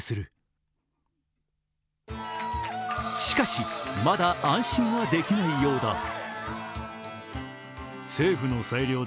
しかし、まだ安心はできないようだ。